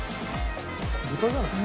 豚じゃないの？